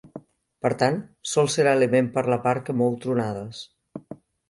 Per tant, sols serà element per la part que mou tronades.